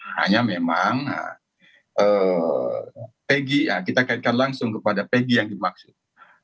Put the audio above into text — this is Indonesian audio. hanya memang pegi kita kaitkan langsung kepada pegi yang dimaksud